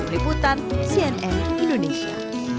reputan cnn indonesia